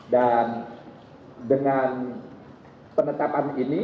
dan dengan penetapan ini